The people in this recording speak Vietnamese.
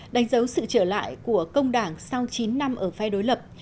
đánh dấu sự trở lại của công đảng sau chín năm ở phe đối lập